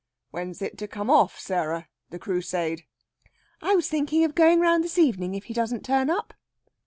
"When's it to come off, Sarah the Crusade?" "I was thinking of going round this evening if he doesn't turn up."